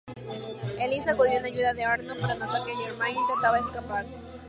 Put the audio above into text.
Élise acudió en ayuda de Arno, pero notó que Germain intentaba escapar.